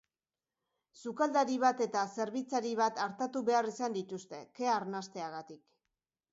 Sukaldari bat eta zerbitzari bat artatu behar izan dituzte, kea arnasteagatik.